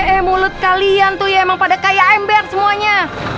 eh mulut kalian tuh ya emang pada kayak ember semuanya